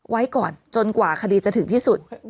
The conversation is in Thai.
ไว้ก่อนจนกว่าคดีจะถึงที่สุด